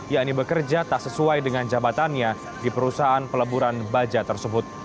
yakni bekerja tak sesuai dengan jabatannya di perusahaan peleburan baja tersebut